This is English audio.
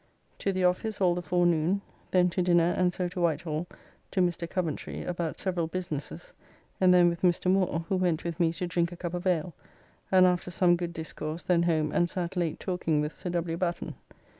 To the office all the forenoon. Then to dinner and so to Whitehall to Mr. Coventry about several businesses, and then with Mr. Moore, who went with me to drink a cup of ale, and after some good discourse then home and sat late talking with Sir W. Batten.